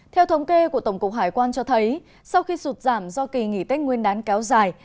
theo thống kê của tổng cục hải quan cho thấy sau khi sụt giảm do kỳ nghỉ tết nguyên đán kéo dài